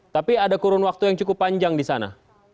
tapi ada kurun waktu yang cukup panjang di sana